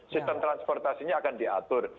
sistem transportasinya akan diatur